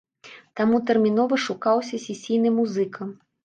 Таму тэрмінова шукаўся сесійны музыка.